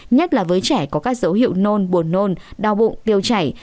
nhất là với trẻ có các dấu hiệu nôn buồn nôn đau bụng tiêu chảy